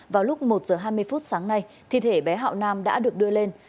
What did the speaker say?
vào lúc một giờ hai mươi phút sáng nay thi thể bé hạo nam đã được đưa lên